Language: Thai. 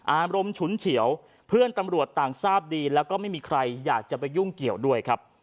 อารมณ์ฉุนเฉียวเพื่อนตำรวจต่างทราบดีแล้วก็ไม่มีใครอยากจะไปยุ่งเกี่ยวด้วยครับ